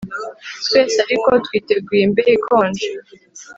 Twese ariko twiteguye imbeho ikonje